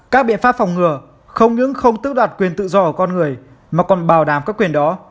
các biện pháp phòng ngừa không những không tức đoạt quyền tự do ở con người mà còn bảo đảm các quyền đó